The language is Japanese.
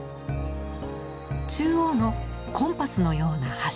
中央のコンパスのような柱。